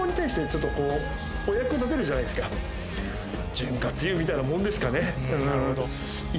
潤滑油みたいなものですかね。